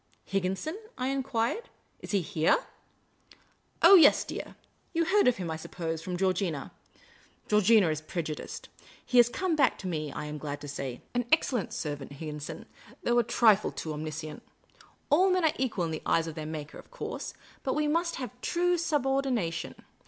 " Higginson ?" I enquired. " Is he here ?"" Oh, dear, yes. You heard of him, I suppose, from Georgina. Georgina is prejudiced. He has come back to I WAITED, BREATHLESS. me, I am glad to say. An excellent servant, Higginson, though a trifle too omniscient. All men are equal in the eyes of their Maker, of course ; but we must have due subordina tion.